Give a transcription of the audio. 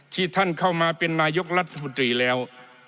ที่ท่านเข้ามาเป็นนายกรัฐมนตรีแล้ว